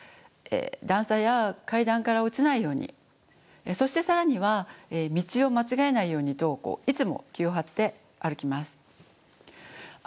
段差や階段から落ちないようにそして更には道を間違えないようにといつも気を張って歩きます。